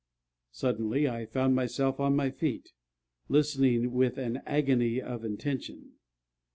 Suddenly I found myself on my feet, listening with an agony of intention.